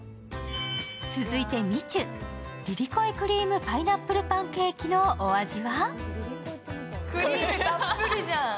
続いてみちゅ、リリコイクリーム・パイナップル・パンケーキのお味は？